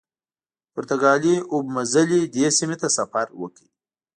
پرتګالي اوبمزلي دې سیمې ته سفر وکړ.